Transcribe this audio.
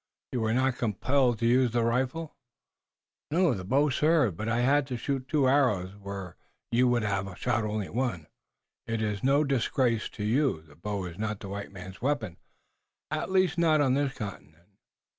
You were not compelled to use the rifle!" "No, the bow served, but I had to shoot two arrows where you would have shot only one." "It is no disgrace to you. The bow is not the white man's weapon, at least not on this continent.